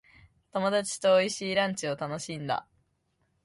友達と美味しいランチを楽しんだ。